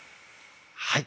はい！